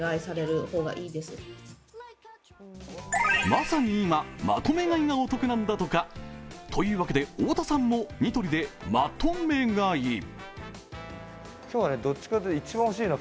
まさに今、まとめ買いがお得なんだとか。というわけで太田さんもニトリでまとめ買い。